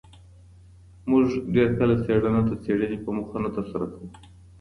موږ ډېر کله څېړنه د څېړني په موخه نه ترسره کوو.